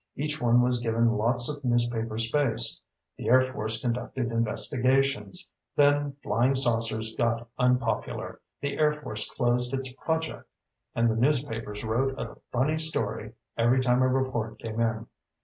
Each one was given lots of newspaper space. The Air Force conducted investigations. Then flying saucers got unpopular, the Air Force closed its project, and the newspapers wrote a funny story every time a report came in.